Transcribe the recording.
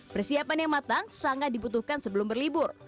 persiapan yang matang sangat dibutuhkan sebelum berlibur